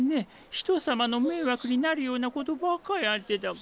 人様の迷惑になるようなことばっかやってたから。